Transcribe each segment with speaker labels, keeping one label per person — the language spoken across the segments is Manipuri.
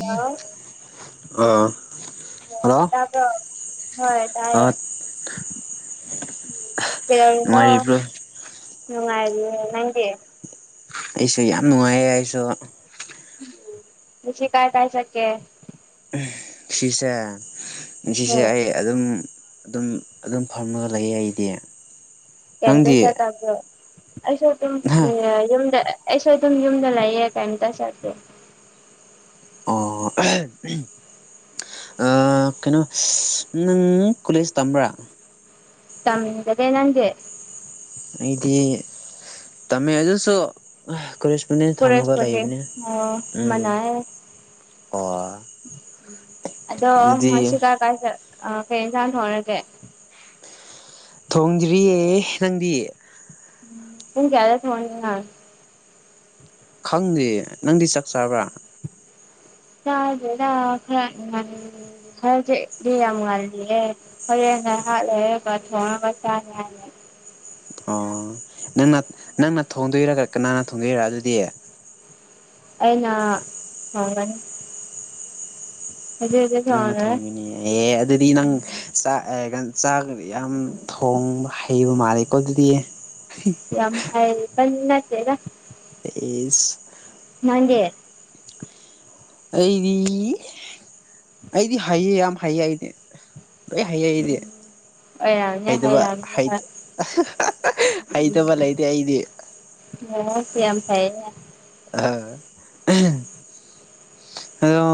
Speaker 1: ꯍꯣ
Speaker 2: ꯑꯥ ꯍꯜꯂꯣ
Speaker 1: ꯇꯥꯒꯣ ꯍꯣꯏ ꯇꯑꯦ
Speaker 2: ꯉꯥꯏꯔꯤꯕ꯭ꯔꯣ
Speaker 1: ꯅꯨꯡꯉꯥꯏꯔꯤꯌꯦ ꯅꯪꯒꯤ
Speaker 2: ꯑꯩꯁꯨ ꯌꯥꯝ ꯅꯨꯡꯉꯥꯏꯌꯦ ꯑꯩꯁꯨ
Speaker 1: ꯉꯁꯤ ꯀꯥꯏ ꯇꯥꯏ ꯁꯀꯦ
Speaker 2: ꯁꯤꯁꯦꯁꯦ
Speaker 1: ꯍꯨꯝ
Speaker 2: ꯑꯩ ꯑꯗꯨꯝ ꯑꯗꯨꯝ ꯑꯗꯨꯝ ꯐꯝꯃꯒ ꯂꯩ ꯑꯩꯗꯤ
Speaker 1: ꯀꯗ
Speaker 2: ꯅꯪꯗꯤ
Speaker 1: ꯑꯁ ꯑꯗꯨ ꯌ ꯑꯩꯁꯨ ꯑꯗꯨꯝ ꯌꯨꯝꯗ ꯂꯩꯥꯏꯌꯦ ꯀꯩꯝꯇ ꯁꯥꯔꯗ
Speaker 2: ꯑꯣ ꯀꯩꯅꯣ ꯅꯪ ꯀꯣꯂꯦꯖ ꯇꯝꯕ꯭ꯔꯥ
Speaker 1: ꯇꯝꯗꯦ ꯅꯪꯦ
Speaker 2: ꯑꯩꯗꯤ ꯇꯝꯃꯦ ꯑꯗꯨꯁꯨ ꯑ ꯀꯦꯁꯄꯣꯟꯗꯦꯟ ꯊꯝꯂꯒ
Speaker 1: ꯀꯣꯔꯦꯁꯄꯣꯟꯗꯤꯡ
Speaker 2: ꯂꯩꯕꯅꯦ
Speaker 1: ꯑꯣ
Speaker 2: ꯎꯝ
Speaker 1: ꯃꯅꯥꯏꯌꯦ
Speaker 2: ꯑꯣ
Speaker 1: ꯑꯗꯣ
Speaker 2: ꯑꯗꯨꯗꯤ
Speaker 1: ꯃꯁꯤꯒ ꯀꯥꯏ ꯀꯩꯖ ꯊꯣꯅꯗꯦ
Speaker 2: ꯊꯣꯡꯗ꯭ꯔꯤꯌꯦ ꯅꯪꯗꯤꯌꯦ
Speaker 1: ꯍ ꯀꯌꯥꯗ ꯐꯣ
Speaker 2: ꯈꯪꯗꯦ ꯅꯪꯗꯤ ꯆꯥꯛ ꯆꯥꯕ꯭ꯔꯥ
Speaker 1: ꯁꯥ ꯈ ꯍꯔ ꯗꯔ ꯃꯒꯜꯂꯤꯌꯦ ꯐꯔ ꯅꯍꯔꯦ ꯊꯅ ꯆ ꯌꯥ
Speaker 2: ꯑꯣ ꯅꯪꯅ ꯅꯪꯅ ꯊꯣꯡꯗꯣꯏꯔꯒ ꯀꯅꯥꯅ ꯊꯣꯡꯗꯣꯏꯔꯥ ꯑꯗꯨꯗꯤ
Speaker 1: ꯑꯩꯅ ꯍꯅꯤ ꯍꯧꯖꯤꯛ
Speaker 2: ꯅꯪꯅ
Speaker 1: ꯊꯣꯡꯔꯦ
Speaker 2: ꯊꯣꯡꯉꯤꯅꯦ ꯑꯦ ꯑꯗꯨꯗꯤ ꯅꯪ
Speaker 1: ꯎꯝ
Speaker 2: ꯆꯥꯛ ꯆꯥꯛꯗꯤ ꯌꯥꯝ ꯊꯣꯡꯕ ꯍꯩꯕ ꯃꯥꯜꯂꯦꯀꯣ ꯑꯗꯨꯗꯤ
Speaker 1: ꯌꯥꯝ ꯍꯥꯏꯥꯏ ꯄ ꯅꯠꯇꯦꯒ
Speaker 2: ꯇꯩꯁ
Speaker 1: ꯅꯪꯦ
Speaker 2: ꯑꯩꯗꯤ ꯑꯩꯗꯤ ꯍꯥꯏꯌꯦ ꯌꯥꯝ ꯍꯥꯏꯩꯌꯦ ꯑꯩꯗꯤ ꯑ ꯍꯌꯦꯦꯗꯦ
Speaker 1: ꯎꯝ ꯑꯣꯏꯔꯝꯅꯤ
Speaker 2: ꯍꯩꯇꯕ
Speaker 1: ꯍꯩꯔꯝꯅꯤ ꯍꯣꯏ
Speaker 2: ꯍꯩꯇꯕ ꯂꯩꯇꯦ ꯑꯩꯗꯤ
Speaker 1: ꯑꯣ ꯄ ꯌꯥꯝ ꯐ
Speaker 2: ꯑ ꯑꯗꯣ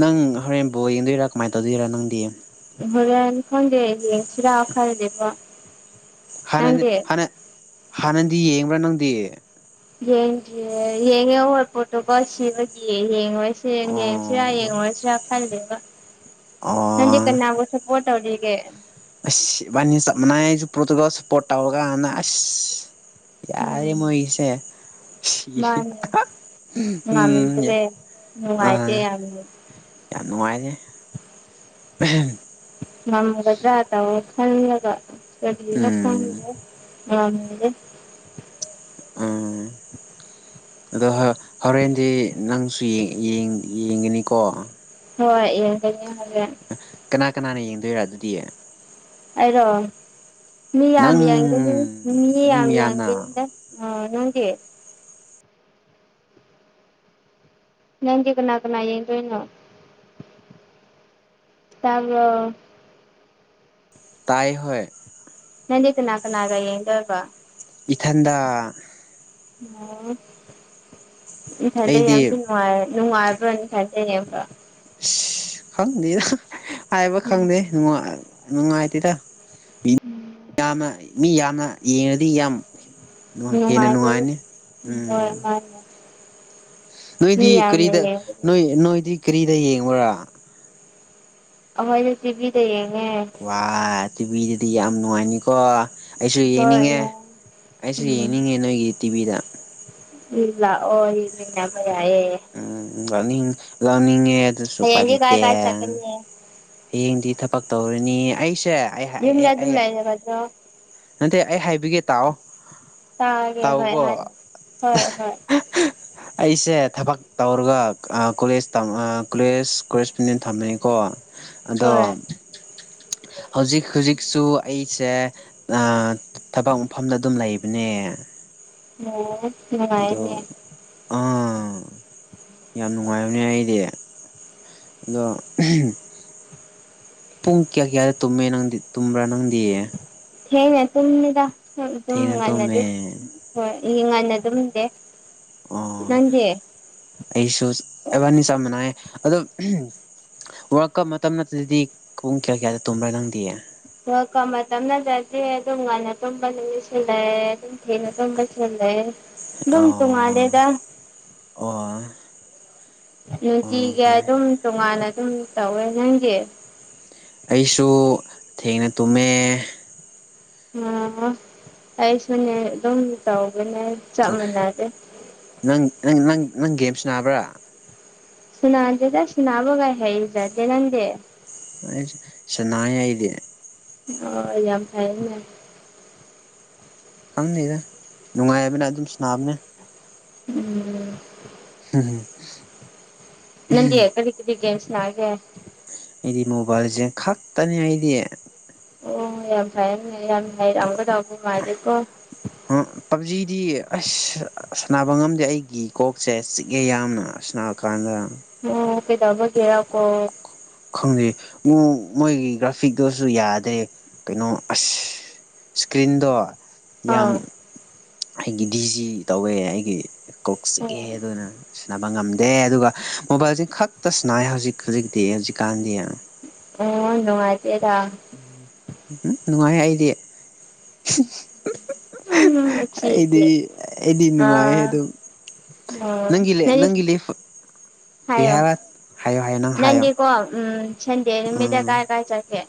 Speaker 2: ꯅꯪ ꯍꯣꯔꯦꯟ ꯕꯣ ꯌꯦꯡꯗꯣꯏꯔꯥ ꯀꯃꯥꯏꯅ ꯇꯧꯗꯣꯏꯔꯥ ꯅꯪꯗꯤ
Speaker 1: ꯍꯣꯔꯦꯟ ꯈꯪꯗꯦ ꯁꯤꯔꯥꯛ ꯈꯔꯗꯤꯕꯣ
Speaker 2: ꯍꯥꯟꯅꯗꯤ ꯍꯅ ꯍꯥꯟꯅꯗꯤ ꯌꯦꯡꯕ꯭ꯔꯥ ꯅꯪꯗꯤ
Speaker 1: ꯌꯦꯡꯗ꯭ꯌꯦꯦ ꯌꯦꯡꯉꯦ ꯍꯣꯏ ꯄꯣꯠꯇꯣꯀ ꯁꯤꯕꯒꯤꯌꯦ ꯌꯦꯡꯉꯣꯏ ꯁ ꯌꯦꯡꯁꯤꯔꯥ
Speaker 2: ꯑꯣ
Speaker 1: ꯌꯦꯡꯉꯨꯔꯁꯤꯔꯥ ꯈꯜꯗꯦꯕ
Speaker 2: ꯑꯥ
Speaker 1: ꯅꯟꯖ ꯀꯅꯥꯒ ꯁꯄꯣꯔꯠ ꯑꯣꯏꯧꯦ
Speaker 2: ꯑꯁ ꯅꯤ ꯆꯞ ꯃꯥꯟꯅꯥꯏ ꯑꯩꯁꯨ ꯄ꯭ꯔꯣꯇꯨꯒꯜ ꯁꯞꯄꯣꯔꯠ ꯇꯧꯔꯒ ꯍꯥꯟꯅ ꯑꯁ ꯌꯥꯔꯦ
Speaker 1: ꯎꯝ
Speaker 2: ꯃꯣꯏ ꯏꯁꯦ
Speaker 1: ꯃꯥꯅꯦ
Speaker 2: ꯎꯝ
Speaker 1: ꯉꯝꯗ꯭ꯔꯦ
Speaker 2: ꯑ
Speaker 1: ꯅꯨꯡꯉꯥꯏꯇꯦ ꯌꯥꯝꯅ
Speaker 2: ꯌꯥꯝ ꯅꯨꯡꯉꯥꯏꯔꯦ ꯎꯝ
Speaker 1: ꯉꯝꯃꯒꯗ꯭ꯔꯥ ꯇ ꯈꯜꯂꯒ ꯀꯕꯤꯅ
Speaker 2: ꯎꯝ
Speaker 1: ꯈꯪꯗꯦ ꯉꯦ
Speaker 2: ꯎꯝ ꯑꯗꯣ ꯍꯣꯔꯦꯟꯗꯤ ꯅꯪꯁꯨ ꯌꯦꯡꯒꯅꯤꯀꯣ
Speaker 1: ꯍꯣꯏ ꯌꯦꯡꯒꯒꯦ
Speaker 2: ꯀꯅꯥ ꯀꯅꯥꯅ ꯌꯦꯡꯗꯣꯏꯔꯥ ꯑꯗꯨꯗꯤꯌꯦ
Speaker 1: ꯑꯩꯔꯣ ꯃꯤ ꯌꯥꯝ
Speaker 2: ꯅꯪ
Speaker 1: ꯌꯦꯡꯒꯅꯤ ꯃꯤ ꯌꯥꯝ ꯌꯦꯡꯒꯅꯤꯗ ꯑ ꯅꯪꯦ ꯅꯗꯤꯒꯅꯥꯒꯅꯥꯏꯗꯣꯏꯩꯅꯣ ꯑꯗꯨꯒ
Speaker 2: ꯇꯥꯏ ꯍ
Speaker 1: ꯅꯟꯗꯤ ꯇꯅꯥꯀꯅꯥꯒ ꯌꯦꯡꯒ
Speaker 2: ꯏꯊꯟꯗ
Speaker 1: ꯑꯣ ꯏꯁꯥꯏꯗꯩ
Speaker 2: ꯑꯩꯗꯤ
Speaker 1: ꯌꯥꯝꯁꯨꯅꯨꯡꯉꯥꯏ ꯅꯨꯡꯉꯥꯏꯕ꯭ꯔꯅꯤ ꯐꯖꯩ ꯌꯥꯝꯕ
Speaker 2: ꯈꯪꯅꯤꯦꯗ ꯍꯥꯏꯕ
Speaker 1: ꯎꯝ
Speaker 2: ꯈꯪꯗꯦ ꯉꯥꯏꯇꯤꯔ
Speaker 1: ꯎꯝ
Speaker 2: ꯌꯥꯝꯅ ꯃꯤ ꯌꯥꯝꯅ ꯌꯦꯡꯉꯗꯤ ꯌꯥꯝ ꯑꯗꯨ ꯍꯦꯟꯅ
Speaker 1: ꯅꯨꯡꯉꯥꯏꯕꯅꯤ
Speaker 2: ꯅꯨꯡꯉꯥꯏꯔꯅꯤ
Speaker 1: ꯍꯣꯏ
Speaker 2: ꯎꯝ
Speaker 1: ꯃꯥꯅꯦ ꯃꯤ
Speaker 2: ꯅꯣꯏꯗꯤ
Speaker 1: ꯌꯥꯝꯅ
Speaker 2: ꯀꯔꯤꯗ
Speaker 1: ꯌꯦꯡꯕꯗꯤ
Speaker 2: ꯅꯣꯏ ꯅꯣꯏꯗꯤ ꯀꯔꯤꯗ ꯌꯦꯡꯕꯨꯔꯥ
Speaker 1: ꯑꯣꯏ ꯁꯤꯖꯤꯕꯤꯗꯌꯦꯉꯦ
Speaker 2: ꯋꯥ ꯇꯤꯚꯤꯗꯗꯤ ꯌꯥꯝ ꯅꯨꯡꯉꯥꯏꯅꯤꯀꯣ ꯑꯩꯁꯨ
Speaker 1: ꯍꯣꯏ
Speaker 2: ꯌꯦꯡꯅꯤꯡꯉꯦ ꯑꯩꯁꯨ
Speaker 1: ꯎꯝ
Speaker 2: ꯌꯦꯡꯅꯤꯡꯉꯦ ꯅꯣꯏꯒꯤ ꯇꯤꯚꯤꯗ
Speaker 1: [unintelligible]
Speaker 2: ꯎꯝ ꯂꯥꯛꯅꯤꯡ ꯂꯥꯛꯅꯤꯡꯉꯦ ꯑꯗꯨꯁꯨ ꯎꯄꯥꯏ
Speaker 1: ꯍꯌꯦꯡꯗꯤ ꯀꯥꯏ
Speaker 2: ꯂꯩꯇꯦ
Speaker 1: ꯀꯥꯏ ꯆꯠꯀꯅꯤ
Speaker 2: ꯍꯌꯦꯡꯗꯤ ꯊꯕꯛ ꯇꯧꯔꯤꯅꯤ ꯑꯩꯁꯦ ꯑꯩ
Speaker 1: ꯌꯨꯝꯗ
Speaker 2: ꯑꯩ
Speaker 1: ꯑꯗꯨꯝ
Speaker 2: ꯑꯩ
Speaker 1: ꯂꯩꯔꯕꯗꯣ
Speaker 2: ꯅꯠꯇꯦ ꯑꯩ ꯍꯥꯏꯕꯤꯒꯦ ꯇꯥꯛꯑꯣ
Speaker 1: ꯇꯥꯑꯒꯦ ꯍꯣꯏ ꯍꯥꯏꯌꯣ ꯍꯣꯏ ꯍꯣꯏ
Speaker 2: ꯑꯩꯁꯦ ꯊꯕꯛ ꯇꯧꯔꯒ ꯀꯣꯂꯦꯖ ꯀꯣꯂꯦꯖ ꯀꯣꯂꯦꯖ ꯄꯨꯅꯤꯟ ꯊꯝꯃꯅꯤꯀꯣ ꯑꯗꯣ
Speaker 1: [inaudible]
Speaker 2: ꯍꯧꯖꯤꯛ ꯍꯧꯖꯤꯛꯁꯨ ꯑꯩꯁꯦ ꯊꯕꯛ ꯃꯐꯝꯗ ꯑꯗꯨꯝ ꯂꯩꯕꯅꯦ
Speaker 1: ꯑꯣ
Speaker 2: ꯑꯗꯣ
Speaker 1: ꯅꯨꯡꯉꯥꯏꯅꯦ
Speaker 2: ꯑꯥ ꯌꯥꯝ ꯅꯨꯡꯉꯥꯏꯕꯅꯦ ꯑꯩꯗꯤ ꯑꯗꯣ ꯄꯨꯡ ꯀꯌꯥ ꯀꯌꯥꯗ ꯇꯨꯝꯃꯦ ꯅꯪꯗꯤ ꯇꯨꯝꯕ꯭ꯔꯥ ꯅꯪꯗꯤ
Speaker 1: ꯊꯅꯦ ꯇꯨꯝꯃꯤꯗ ꯇꯨꯝ
Speaker 2: ꯊꯦꯡꯅ
Speaker 1: ꯉꯟꯅꯗꯤ
Speaker 2: ꯇꯨꯝꯃꯦ
Speaker 1: ꯍꯣꯏ ꯏ ꯉꯥꯟꯅ ꯇꯨꯝꯗꯦ
Speaker 2: ꯑꯣ
Speaker 1: ꯅꯪꯗꯤ
Speaker 2: ꯑꯩꯁꯨ ꯑꯦꯕꯥꯅꯤ ꯆꯞ ꯃꯅꯩ ꯑꯗꯣ ꯋꯥꯔ ꯀꯞ ꯃꯇꯝ ꯅꯠꯇꯗꯗꯤ ꯄꯨꯡ ꯀꯌꯥ ꯀꯌꯥꯗ ꯇꯨꯝꯕ꯭ꯔꯥ ꯅꯪꯗꯤ
Speaker 1: ꯍ ꯇꯞꯅꯖꯗꯦ ꯑꯗꯨꯝ ꯉꯥꯏꯟꯅ ꯇꯨꯝꯕ ꯅꯨꯃꯤꯠꯁꯤ ꯂꯩꯝ ꯊꯅ ꯀꯝꯕꯁꯂꯦ
Speaker 2: ꯑꯣ ꯑꯣ ꯑꯣ
Speaker 1: ꯅꯨꯡꯇꯤꯒꯤ
Speaker 2: ꯐꯔꯦ
Speaker 1: ꯑꯗꯨꯝ ꯇꯣꯉꯥꯟꯅ ꯑꯗꯨꯝ ꯇꯧꯋꯦ ꯅꯪꯗꯤ
Speaker 2: ꯑꯩꯁꯨ ꯊꯦꯡꯅ ꯇꯨꯝꯃꯦ
Speaker 1: ꯑꯣ ꯑꯩꯁꯨꯅꯦ ꯑꯗꯨꯝ ꯇꯧꯒꯅꯦ ꯆꯞ ꯃꯥꯟꯅꯔꯦ
Speaker 2: ꯅꯪ ꯅꯪ ꯅꯪ ꯅꯪ ꯒꯦꯝ ꯁꯥꯅꯕ꯭ꯔꯥ
Speaker 1: ꯁꯨꯅꯥꯗꯦꯗ ꯁꯅꯕꯒ ꯍꯖꯗꯦ ꯅꯪꯗꯤ
Speaker 2: ꯑꯁ ꯁꯅꯩ ꯑꯩꯗꯤ
Speaker 1: ꯑꯣ ꯌꯥꯝ ꯐꯩ
Speaker 2: ꯈꯪꯅꯦꯗ ꯅꯨꯡꯉꯥꯏꯕꯅ ꯑꯗꯨꯝ ꯁꯅꯥꯕꯅꯦ
Speaker 1: ꯎꯝ
Speaker 2: ꯍꯝ
Speaker 1: ꯅꯗꯤ ꯌꯦ ꯀꯔꯤ ꯀꯗꯤꯒꯦꯁ ꯅꯒꯦ
Speaker 2: ꯑꯩꯗꯤ ꯃꯣꯕꯥꯏꯜꯁꯦ ꯈꯥꯛ ꯇꯅꯤ ꯑꯩꯗꯤ
Speaker 1: ꯑꯣ ꯌꯥꯝ ꯐꯩ ꯌꯥꯝ ꯍꯥꯏꯔꯛꯑꯒ ꯇꯥꯎꯧꯕ ꯃꯥꯜꯂꯦꯀꯣ
Speaker 2: ꯍꯥ ꯄꯞꯖꯤꯗꯤ ꯑꯁ ꯁꯥꯟꯅꯕ ꯉꯝꯗꯦ ꯑꯩꯒꯤ ꯀꯣꯛꯁꯦ ꯆꯤꯛꯑꯦ ꯌꯥꯝꯅ ꯁꯥꯟꯔꯀꯥꯟꯗ
Speaker 1: ꯑꯣ ꯀꯩꯗꯕꯒꯦꯔꯀꯣ
Speaker 2: ꯈꯪꯗꯩ ꯃꯣꯏꯒꯤ ꯒ꯭ꯔꯥꯐꯤꯛꯇꯨꯁꯨ ꯌꯥꯗ꯭ꯔꯦ ꯀꯩꯅꯣ ꯑꯁ ꯏꯁꯀ꯭ꯔꯤꯟꯗꯣ ꯌꯥꯝ
Speaker 1: ꯑꯥ
Speaker 2: ꯑꯩꯒꯤ ꯗꯤꯖꯤ ꯇꯧꯋꯦ ꯑꯩꯒꯤ ꯀꯣꯛ ꯆꯤꯛꯑꯦ ꯑꯗꯨꯅ ꯇ ꯉꯝꯗꯦ ꯑꯗꯨꯒ ꯃꯣꯕꯥꯏꯜꯁ ꯈꯛꯇ ꯁꯅꯥꯏ ꯍꯧꯖꯤꯛ ꯍꯧꯖꯤꯛꯇꯤ ꯍꯧꯖꯤꯛꯀꯥꯟꯗꯤ
Speaker 1: ꯑꯣ ꯅꯨꯡꯉꯥꯏꯇꯦꯗ
Speaker 2: ꯎꯝ ꯅꯨꯡꯉꯥꯏ ꯑꯩꯗꯤ
Speaker 1: ꯎꯝ
Speaker 2: ꯑꯩꯗꯤ
Speaker 1: ꯑꯁꯤꯗꯤ
Speaker 2: ꯑꯩꯗꯤ ꯅꯨꯡꯉꯥꯏꯌꯦ
Speaker 1: ꯑꯥ
Speaker 2: ꯑꯗꯨꯝ
Speaker 1: ꯑꯣ
Speaker 2: ꯅꯪꯒꯤ
Speaker 1: ꯅꯪꯗꯤ
Speaker 2: ꯅꯪꯒꯤ ꯂꯩ ꯀꯩ ꯍꯥꯏ ꯍꯥꯏꯌꯣ ꯍꯥꯏꯌꯣ ꯅꯪ ꯍꯥꯏꯌꯣ
Speaker 1: ꯀꯣ ꯎꯝ ꯁꯟꯗꯦ ꯅꯨꯃꯤꯠꯇ
Speaker 2: ꯎꯝ
Speaker 1: ꯀꯥꯏ ꯀꯥꯏ ꯆꯠꯀꯦ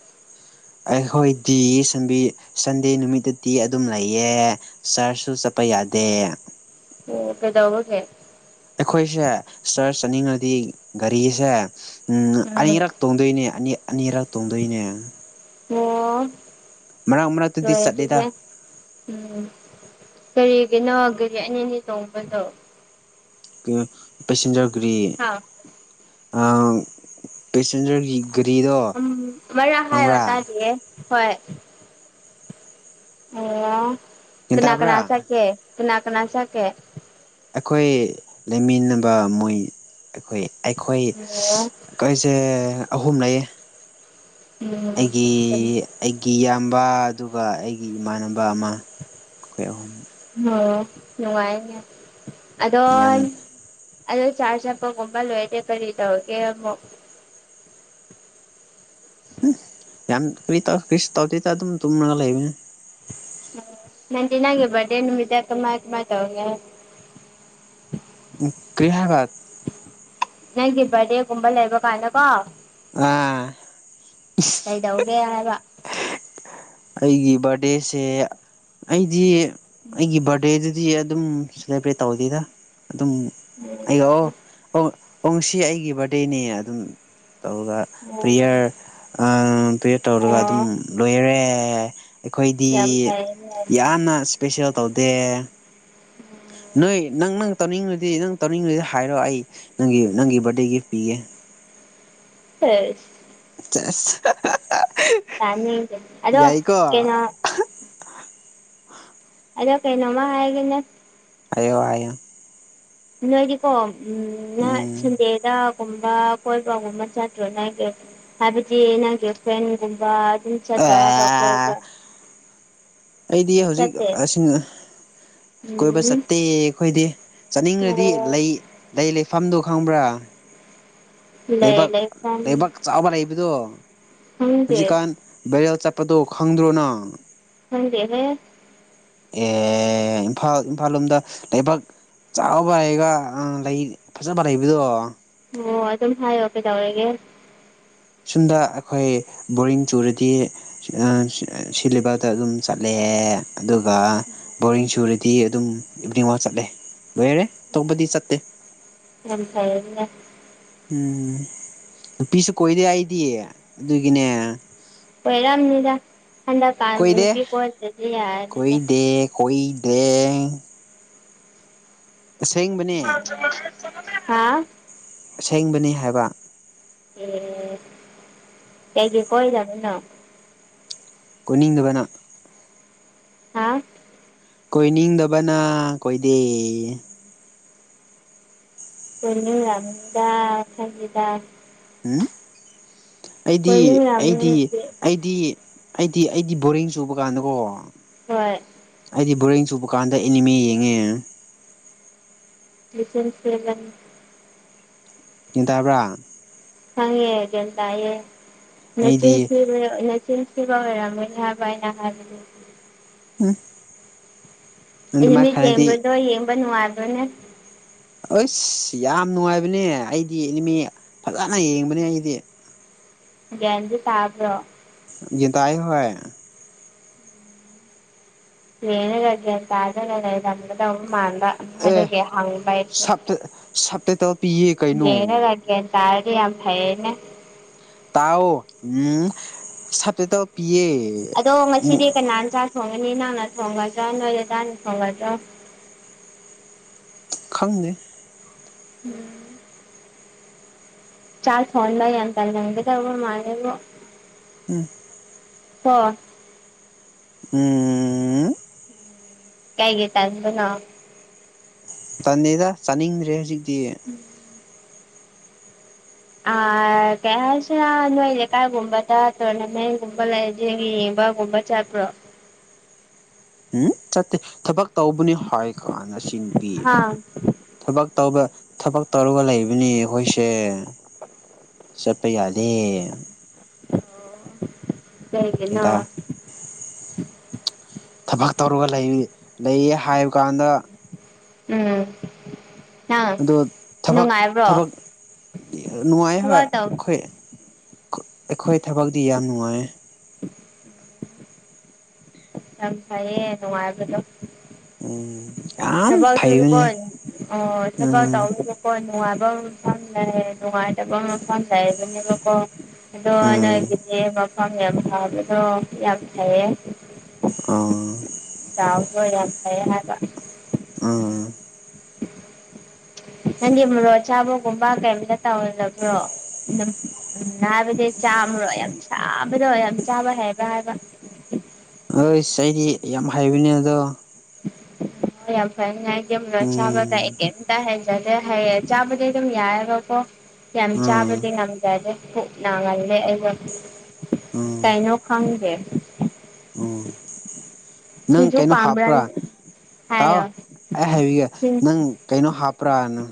Speaker 2: ꯑꯩꯈꯣꯏꯗꯤ ꯁꯟꯕꯤ ꯁꯟꯗꯦ ꯅꯨꯃꯤꯠꯇꯗꯤ ꯑꯗꯨꯝ ꯂꯩꯌꯦ ꯆꯔꯆꯁꯨ ꯆ ꯄ ꯌꯥꯗꯦ
Speaker 1: ꯑꯣ ꯀꯩꯗꯧꯕꯒꯤ
Speaker 2: ꯑꯩꯈꯣꯏꯁꯦ ꯆꯔꯆ ꯆꯠꯅꯤꯡꯉꯗꯤ ꯒꯥꯔꯤꯁꯦ
Speaker 1: ꯎꯝ
Speaker 2: ꯑꯅꯤꯔꯛ ꯇꯣꯡꯗꯣꯏꯅꯦ ꯑꯅꯤ ꯑꯅꯤꯔꯛ ꯇꯣꯡꯗꯣꯏꯅꯦ
Speaker 1: ꯑꯣ
Speaker 2: ꯃꯔꯛ ꯃꯔꯛꯇꯗꯤ
Speaker 1: ꯂꯣꯏꯔꯦ
Speaker 2: ꯆꯠꯂꯦꯗ
Speaker 1: ꯑꯗꯨꯗꯤ ꯎꯝ ꯀꯔꯤꯒꯤꯅꯣ ꯒꯥꯔꯤ ꯑꯅꯤ ꯑꯅꯤ ꯇꯣꯡꯕꯗꯨ
Speaker 2: ꯄꯦꯁꯦꯟꯖꯔꯒꯤ
Speaker 1: ꯍꯥ
Speaker 2: ꯑꯥ ꯄꯦꯁꯦꯟꯖꯔꯒꯤ ꯒꯔꯤꯗꯣ
Speaker 1: ꯎꯝ ꯑꯃꯔꯛ ꯍꯥꯏꯌꯣ ꯇꯥꯗꯤꯌꯦ ꯍꯣꯏ ꯑꯣ
Speaker 2: ꯒ꯭ꯌꯥꯟ
Speaker 1: ꯀꯅꯥ ꯀꯅꯥ
Speaker 2: ꯇꯥꯕ꯭ꯔꯥ
Speaker 1: ꯆꯠꯀꯦ ꯀꯅꯥ ꯀꯅꯥ ꯆꯠ ꯀꯦ
Speaker 2: ꯑꯩꯈꯣꯏ ꯂꯩꯃꯤꯟꯅꯕ ꯃꯣꯏ ꯑꯩꯈꯣꯏ ꯑꯩꯈꯣꯏ
Speaker 1: ꯑꯣ
Speaker 2: ꯈꯣꯏꯁꯦ ꯑꯍꯨꯝ ꯂꯩꯌꯦ ꯑꯩꯒꯤ
Speaker 1: ꯎꯝ
Speaker 2: ꯑꯩꯒꯤ ꯏꯌꯥꯝꯕ ꯑꯗꯨꯒ ꯑꯩꯒꯤ ꯏꯃꯥꯟꯅꯕ ꯑꯃ ꯑꯩꯈꯣꯏ ꯑꯍꯨꯝ
Speaker 1: ꯑꯣ ꯅꯨꯡꯉꯥꯏꯅꯦ ꯑꯗꯣ
Speaker 2: ꯌꯥꯝ
Speaker 1: ꯑꯗꯣ ꯆꯥꯔꯆ ꯆꯠꯄꯒꯨꯝꯝꯕ ꯂꯣꯏꯔꯗꯤ ꯀꯔꯤꯗꯧꯕꯒꯦ ꯑꯃꯨꯛ
Speaker 2: ꯎ ꯌꯥꯝ ꯀꯔꯤ ꯀꯔꯤꯁꯨ ꯇꯧꯗꯦꯗ ꯑꯗꯨꯝ ꯇꯨꯝꯔꯒ ꯂꯩꯕꯅꯦ
Speaker 1: ꯅꯪꯗꯤ ꯅꯪꯒꯤ ꯕꯥꯔꯗꯦ ꯅꯨꯃꯤꯠꯇ ꯀꯃꯥꯏ ꯀꯃꯥꯏ ꯇꯧꯒꯦ
Speaker 2: ꯀ꯭ꯔꯤ ꯍꯥꯏꯕ
Speaker 1: ꯅꯪꯒꯤ ꯕꯥꯔꯗꯦꯒꯨꯝꯕ ꯂꯩꯕ ꯀꯥꯟꯗꯀꯣ
Speaker 2: ꯑꯥ
Speaker 1: ꯀꯩꯗꯧꯒꯦ ꯍꯥꯏꯕ
Speaker 2: ꯑꯩꯒꯤ ꯕꯥꯔꯗꯦꯁꯦ ꯑꯩꯗꯤ ꯑꯩꯒꯤ ꯕꯥꯔꯗꯦ ꯗꯦꯗꯨꯗꯤ ꯑꯗꯨꯝ ꯁꯦꯂꯦꯕ꯭ꯔꯦꯠ ꯇꯧꯗꯦꯗ ꯑꯗꯨꯝ ꯑꯩꯌꯣ ꯑꯣ ꯑꯣꯁꯤ ꯑꯩꯒꯤ ꯕꯥꯔꯗꯦꯅꯦ ꯑꯗꯨꯝ ꯇꯧꯔꯒ
Speaker 1: ꯎꯝ
Speaker 2: ꯄꯦꯌꯔ ꯑꯥ ꯄ꯭ꯔꯦꯌꯔ
Speaker 1: ꯑꯣ
Speaker 2: ꯇꯧꯔꯒ ꯑꯗꯨꯝ
Speaker 1: ꯑꯣ
Speaker 2: ꯂꯣꯏꯔꯦ ꯑꯩꯈꯣꯏꯗꯤ
Speaker 1: ꯌꯥꯝ ꯐꯩꯅꯦ
Speaker 2: ꯌꯥꯝꯅ ꯏꯁꯄꯦꯁꯦꯜ ꯇꯧꯗꯦ
Speaker 1: [inaudible]
Speaker 2: ꯅꯣꯏ ꯅꯪ ꯅꯪ ꯇꯧꯅꯤꯡꯉꯗꯤ ꯅꯪ ꯇꯧꯅꯤꯡꯉꯗꯤ ꯍꯥꯏꯔꯣ ꯑꯩ ꯅꯪꯒꯤ ꯅꯪꯒꯤ ꯕꯥꯔꯗꯦ ꯒꯤꯐ ꯄꯤꯒꯦ
Speaker 1: [unintelligible]
Speaker 2: ꯆꯦꯁ [unintelligible]
Speaker 1: ꯇꯥꯅꯤꯡꯇꯦ ꯑꯗꯣ
Speaker 2: ꯌꯥꯏꯀꯣ
Speaker 1: ꯀꯩꯅꯣ ꯑꯗꯣ ꯀꯩꯅꯣꯃ ꯍꯥꯏꯒꯦꯅꯦ
Speaker 2: ꯍꯥꯏꯌꯣ ꯍꯥꯏꯌꯣ
Speaker 1: ꯅꯣꯏꯗꯤꯀꯣ ꯎꯝ ꯅꯥ
Speaker 2: ꯎꯝ
Speaker 1: ꯁꯟꯗꯦꯗꯒꯨꯝꯕ ꯀꯣꯏꯕꯒꯨꯝꯕ ꯆꯠꯇ꯭ꯔꯣ ꯅꯪꯗꯤ ꯍꯥꯏꯕꯗꯤ ꯅꯪꯒꯤ ꯐ꯭ꯔꯦꯟꯒꯨꯝꯕ ꯑꯗꯨꯝ
Speaker 2: ꯑ
Speaker 1: ꯆꯠꯇ꯭ꯔꯣ ꯍꯥꯏꯕ ꯀꯣꯏꯕ
Speaker 2: ꯑꯩꯗꯤ ꯍꯧꯖꯤꯛ
Speaker 1: ꯆꯠꯇꯦ
Speaker 2: ꯀꯣꯏꯕ
Speaker 1: ꯎꯝ
Speaker 2: ꯆꯠꯇꯦ ꯑꯩꯈꯣꯏꯗꯤ ꯆꯠꯅꯤꯡꯉꯔꯥꯗꯤ
Speaker 1: ꯑꯣ
Speaker 2: ꯂꯩ ꯂꯩ ꯂꯩꯐꯝꯗꯨ ꯈꯪꯕ꯭ꯔꯥ
Speaker 1: ꯂꯩ
Speaker 2: ꯂꯩꯕꯥꯛ
Speaker 1: ꯂꯩꯐꯝ
Speaker 2: ꯂꯩꯕꯥꯛ ꯆꯥꯎꯕ ꯂꯩꯕꯗꯣ
Speaker 1: ꯈꯪꯗꯦ
Speaker 2: ꯍꯧꯖꯤꯛꯀꯥꯟ ꯕꯦꯔꯦꯜ ꯆꯠꯄꯗꯣ ꯈꯪꯗ꯭ꯔꯣꯅꯪ
Speaker 1: ꯈꯪꯗꯦꯍꯦ
Speaker 2: ꯑꯦ ꯏꯝꯐꯥꯜ ꯏꯝꯐꯥꯜ ꯂꯣꯝꯗ ꯂꯩꯕꯥꯛ ꯆꯥꯎꯕ ꯂꯩꯒ ꯂꯩ ꯐꯖꯕ ꯂꯩꯕꯗꯣ
Speaker 1: ꯑꯣ ꯑꯗꯨꯝ ꯍꯥꯏꯌꯣ ꯀꯩꯗꯧꯔꯒꯦ
Speaker 2: ꯁꯨꯝꯗ ꯑꯩꯈꯣꯏ ꯕꯣꯔꯤꯡ ꯆꯨꯔꯗꯤ ꯁꯤꯜꯂꯤꯕꯜꯗ ꯑꯗꯨꯝ ꯆꯠꯂꯦ ꯑꯗꯨꯒ ꯕꯣꯔꯤꯡ ꯁꯨꯔꯗꯤ ꯑꯗꯨꯝ ꯏꯚꯤꯅꯤꯡ ꯋꯥꯛ ꯆꯠꯂꯦ ꯂꯣꯏꯔꯔꯦ ꯑꯇꯧꯕꯗꯤ ꯆꯠꯇꯦ
Speaker 1: ꯌꯥꯝ ꯐꯩꯌꯦꯅꯦ
Speaker 2: ꯎꯝ ꯅꯨꯄꯤꯁꯨ ꯀꯣꯏꯗꯦ ꯑꯩꯗꯤ ꯑꯗꯨꯒꯤꯅꯦ
Speaker 1: ꯀꯣꯏꯔꯝꯅꯤꯗ ꯍꯟꯗꯛꯀ
Speaker 2: ꯀꯣꯏꯗꯦ
Speaker 1: ꯅꯨꯄꯤ ꯄꯣꯠꯇꯗꯤ ꯌꯥꯔꯅꯤꯗ
Speaker 2: ꯍꯨꯏꯗꯦꯡ ꯑꯁꯦꯡꯕꯅꯦ
Speaker 1: ꯍꯥꯎ
Speaker 2: ꯑꯁꯦꯡꯕꯅꯦ ꯍꯥꯏꯕ
Speaker 1: ꯑꯦ ꯀꯒꯤꯦ ꯀꯣꯏ ꯨꯅ [unintelligible]
Speaker 2: ꯀꯣꯏꯅꯤꯡꯗꯕꯅ
Speaker 1: ꯍꯥ
Speaker 2: ꯀꯣꯏꯅꯤꯡꯗꯕꯅ ꯀꯣꯏꯗꯦ
Speaker 1: ꯀꯣꯏꯅꯤꯡꯉꯝꯅꯤꯗ ꯈꯪꯉꯤꯗ
Speaker 2: ꯎꯝ ꯑꯩꯗꯤ
Speaker 1: ꯀꯣꯏꯅꯤꯡꯔꯝꯅꯤ
Speaker 2: ꯑꯩꯗꯤ
Speaker 1: ꯅꯨꯄꯤ
Speaker 2: ꯑꯩꯗꯤ ꯑꯩꯗꯤ ꯑꯩꯗꯤ ꯕꯣꯔꯤꯡ ꯆꯨꯕ ꯀꯥꯟꯗꯀꯣ
Speaker 1: ꯍꯣꯏ
Speaker 2: ꯑꯩꯗꯤ ꯕꯣꯔꯤꯡ ꯆꯨꯕ ꯀꯥꯟꯗ ꯑꯦꯅꯤꯃꯤ ꯌꯦꯡꯉꯦ
Speaker 1: ꯁꯦꯟꯁ [unintelligible]
Speaker 2: ꯒꯌꯥꯟ ꯇꯥꯕ꯭ꯔꯥ
Speaker 1: ꯈꯪꯉꯦ ꯒꯌꯥꯟ ꯇꯥꯏꯌꯦ
Speaker 2: ꯑꯩꯗꯤ
Speaker 1: ꯅꯆꯤꯟꯁꯤ [unintelligible] ꯅꯆꯤꯟ ꯊꯤꯕ ꯑꯣꯏꯔꯝꯃꯣꯏ ꯍꯥꯏꯕ ꯑꯩꯅ ꯍꯥꯏꯕꯗꯤ
Speaker 2: ꯎꯝ
Speaker 1: ꯑꯦꯅꯤꯃꯤ
Speaker 2: ꯑꯗꯨꯃꯥꯏꯅ ꯈꯜꯂꯗꯤ
Speaker 1: ꯌꯦꯡꯕꯗꯣ ꯌꯦꯡꯕ ꯅꯨꯡꯉꯥꯏꯕ꯭ꯔꯥꯅꯦ
Speaker 2: ꯑꯁ ꯌꯥꯝ ꯅꯨꯡꯉꯥꯏꯕꯅꯦ ꯑꯩꯗꯤ ꯏꯅꯤꯃꯤ ꯐꯖꯅ ꯌꯦꯡꯕꯅꯦ ꯑꯩꯗꯤ
Speaker 1: ꯒꯌꯥꯟꯗꯤ ꯇꯥꯕ꯭ꯔꯣ
Speaker 2: ꯌꯦꯗꯥꯏ ꯍꯣꯏ
Speaker 1: ꯂꯩꯔꯒ ꯒ꯭ꯌꯥꯟ ꯇꯥꯗꯅ ꯂꯩꯔꯝꯕꯗꯧ ꯃꯥꯟꯕ ꯑꯗꯨꯒꯤ ꯍꯪꯕ ꯑꯩꯁꯨ
Speaker 2: ꯁꯞꯄꯦꯇꯣ
Speaker 1: ꯌꯦꯅ ꯂꯒꯦ ꯒꯌꯥꯟ ꯇꯥꯔꯥꯗꯤ ꯌꯥꯝ ꯐꯩꯌꯦꯅꯦ
Speaker 2: ꯇꯥꯎ ꯎꯝ ꯁꯠꯇꯇꯣ ꯄꯤꯌꯦ
Speaker 1: ꯑꯗꯣ
Speaker 2: ꯑꯃꯨꯛ
Speaker 1: ꯉꯁꯤꯗꯤ ꯀꯅꯥꯅ ꯆꯥꯛ ꯊꯣꯡꯒꯅꯤ ꯅꯪꯅ ꯊꯣꯡꯒꯗ꯭ꯔꯥ ꯅꯣꯏ ꯗꯗꯥꯅ ꯊꯣꯡꯒꯗ꯭ꯔꯥ
Speaker 2: ꯈꯪꯗꯦ
Speaker 1: ꯎꯝ ꯆꯥꯛ ꯊꯣꯡꯕ ꯌꯥꯝ ꯇꯜꯂꯝꯒꯗꯕ ꯃꯥꯟꯂꯦꯕꯣ
Speaker 2: ꯎꯝ
Speaker 1: ꯍ [unintelligible]
Speaker 2: ꯎꯝ
Speaker 1: ꯀꯩꯒꯤ ꯇꯟꯕꯅꯣ
Speaker 2: ꯇꯟꯗꯦꯗ ꯆꯥꯅꯤꯡꯗ꯭ꯔꯦ ꯍꯧꯖꯤꯛꯇꯤ
Speaker 1: ꯑ ꯀꯩ ꯍꯥꯏꯁꯤꯔꯥ ꯅꯣꯏ ꯂꯩꯀꯥꯏꯒꯨꯝꯕꯗ ꯇꯣꯔꯅꯥꯃꯦꯟꯠꯒꯨꯝꯕ ꯂꯩꯗꯤ ꯌꯦꯡꯕꯒꯨꯝꯕ ꯆꯠꯄ꯭ꯔꯣ
Speaker 2: ꯎꯝ ꯆꯠꯇꯦ ꯊꯕꯛ ꯇꯧꯕꯅꯤ ꯍꯥꯏ ꯀꯥꯟꯗ ꯆꯤꯡ ꯄꯤ
Speaker 1: ꯍꯥ
Speaker 2: ꯊꯕꯛ ꯇꯧꯕ ꯊꯕꯛ ꯇꯧꯔꯒ ꯂꯩꯕꯅꯤ ꯑꯩꯈꯣꯏꯁꯦ ꯆꯠꯄ ꯌꯥꯗꯦ
Speaker 1: ꯀꯩꯒꯤꯅꯣ
Speaker 2: ꯀꯦꯗ ꯊꯕꯛ ꯇꯧꯔꯒ ꯂꯩ ꯂꯩꯌꯦ ꯍꯥꯏꯕꯀꯥꯟꯗ
Speaker 1: ꯎꯝ ꯅꯪ
Speaker 2: ꯑꯗꯨ ꯊꯕꯛ
Speaker 1: ꯅꯨꯡꯉꯥꯏꯕ꯭ꯔꯣ
Speaker 2: ꯊꯕꯛ ꯅꯨꯡꯉꯥꯏ ꯍꯣꯏ
Speaker 1: ꯊꯕꯛ ꯇꯧ
Speaker 2: ꯑꯩꯈꯣꯏ ꯑꯩꯈꯣꯏ ꯊꯕꯛꯗꯤ ꯌꯥꯝ ꯅꯨꯡꯉꯥꯏ
Speaker 1: ꯌꯥꯝ ꯐꯩꯌꯦ ꯅꯨꯡꯉꯥꯏꯕꯗꯣ
Speaker 2: ꯎꯝ ꯌꯥꯝ
Speaker 1: ꯊꯕꯛꯇꯨꯁꯨꯀꯣ
Speaker 2: ꯐꯩꯕꯅꯦ
Speaker 1: [unintelligible] ꯑꯗꯨ ꯀ ꯑꯣ ꯁꯕꯥ ꯇ
Speaker 2: ꯎꯝ
Speaker 1: ꯍꯣꯏ ꯅꯨꯡꯉꯥꯏꯕꯒ ꯈꯪꯗꯦ ꯅꯨꯡꯉꯥꯏꯇꯕꯒ ꯈꯪꯗꯦ ꯍꯥꯏꯕꯗꯨꯅꯤꯀꯣ ꯑꯗꯣ
Speaker 2: ꯎꯝ
Speaker 1: ꯅꯣꯏꯒꯤꯗꯤ ꯃꯐꯝ ꯌꯥꯝ ꯐꯥꯕꯗꯣ ꯌꯥꯝ ꯐꯩꯌꯦ
Speaker 2: ꯎꯝ
Speaker 1: ꯆꯥꯎꯕꯗꯣ ꯌꯥꯝ ꯐꯩꯌꯦ ꯍꯥꯏꯕ
Speaker 2: ꯎꯝ
Speaker 1: ꯅꯪꯒꯤ ꯃꯔꯣꯔꯣ ꯑꯆꯥꯥꯕꯒꯨꯝꯕ ꯀꯩꯝꯇ ꯇꯧꯅꯕ꯭ꯔꯣ ꯑꯗꯨꯝ ꯎꯝ ꯍꯥꯏꯕꯗꯤ ꯆꯥꯝꯃꯔꯣ ꯌꯥꯝ ꯁꯥꯕꯗꯣ ꯌꯥꯝ ꯆꯥꯕ ꯍꯩꯕ꯭ꯔꯥ ꯍꯥꯏꯕ
Speaker 2: ꯍꯣꯏꯁ ꯑꯩꯗꯤ ꯌꯥꯝ ꯍꯥꯏꯕꯅꯦ ꯑꯗꯣ
Speaker 1: ꯍ ꯌꯥꯝ ꯐꯅ ꯆꯥꯕ
Speaker 2: ꯎꯝ
Speaker 1: ꯀꯩ ꯍꯥꯏ ꯐꯖꯗꯦ ꯍꯌꯦ ꯆꯥꯕꯗꯤꯩ ꯑꯗꯨꯝ ꯌꯥꯏꯔꯣꯀꯣ ꯌꯥꯝ
Speaker 2: ꯎꯝ
Speaker 1: ꯆꯥꯕꯗꯤ ꯉꯝꯗꯗꯦ ꯀꯛ ꯅꯥꯍꯜꯂꯦ ꯑꯩꯩꯅ ꯀꯔꯤꯅꯣ ꯈꯪꯗꯦ
Speaker 2: ꯑꯣ ꯅꯪ
Speaker 1: ꯁꯤꯡꯖꯨ
Speaker 2: ꯀꯩꯅꯣ
Speaker 1: ꯄꯥꯝꯕ꯭ꯔꯥ
Speaker 2: ꯍꯥꯞꯄ꯭ꯔꯥ ꯇꯥꯎꯑꯣ
Speaker 1: ꯍꯥꯏꯌꯣ
Speaker 2: ꯑꯦ ꯍꯥꯏꯕꯤꯒꯦ ꯅꯪ ꯀꯩꯅꯣ ꯍꯥꯞꯄ꯭ꯔꯥꯅ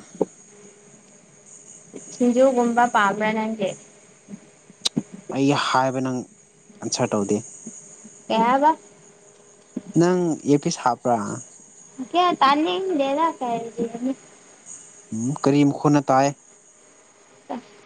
Speaker 1: ꯁꯤꯁꯤꯡꯖꯣꯒꯨꯝꯕ ꯄꯥꯕ꯭ꯔ ꯅꯪꯒꯦ
Speaker 2: ꯑꯩ ꯍꯥꯏꯕ ꯅꯪ ꯑꯟꯁꯔ ꯇꯧꯗꯦ
Speaker 1: ꯀꯩ ꯍꯥꯏꯕꯥ
Speaker 2: ꯅꯪ ꯑꯦ ꯄꯤꯁ ꯍꯥꯞꯄ꯭ꯔꯥ
Speaker 1: ꯀ ꯇꯅꯤ ꯗꯦꯗꯥ ꯀ
Speaker 2: ꯀꯔꯤꯝ ꯈꯨꯅ ꯇꯥꯏ
Speaker 1: [unintelligible]